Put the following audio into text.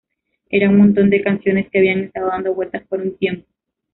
Eran un montón de canciones que habían estado dando vueltas por un tiempo.